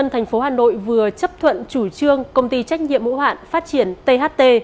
thành phố hà nội vừa chấp thuận chủ trương công ty trách nhiệm mũ hạn phát triển tht